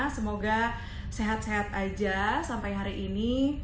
semoga sehat sehat aja sampai hari ini